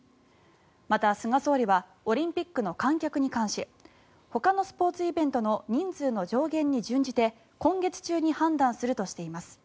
また、菅総理はオリンピックの観客に関しほかのスポーツイベントの人数の上限に準じて今月中に判断するとしています。